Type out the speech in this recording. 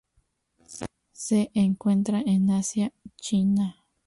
Se encuentra en Asia: China.